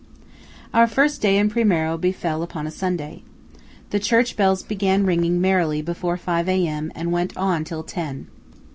Our first day in Primiero befell upon a Sunday. The church bells began ringing merrily before five A.M., and went on till ten.